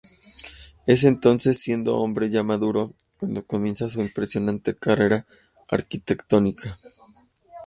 Es entonces, siendo hombre ya maduro, cuando comienza su impresionante carrera arquitectónica.